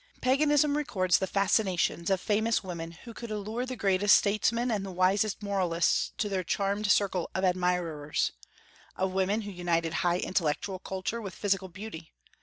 Paganism records the fascinations of famous women who could allure the greatest statesmen and the wisest moralists to their charmed circle of admirers, of women who united high intellectual culture with physical beauty.